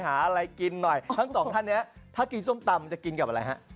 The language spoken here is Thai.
หาอะไรกินหน่อยทั้งสองท่านนี้ถ้ากินส้มตำจะกินกับอะไรฮะ